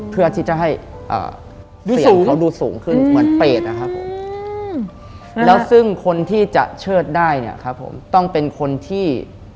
เพื่อที่จะให้เสียงเขาดูสูงขึ้นเหมือนเปรตนะครับแล้วซึ่งคนที่จะเชิดได้เนี่ยครับผมต้องเป็นคนที่